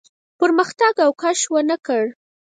پرمختګ او کش ونه کړ.